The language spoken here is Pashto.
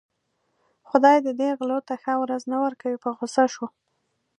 خدای دې دې غلو ته ښه ورځ نه ورکوي په غوسه شو.